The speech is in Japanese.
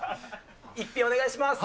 １品お願いします。